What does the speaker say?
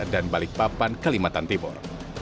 dan balikpapan kalimantan timur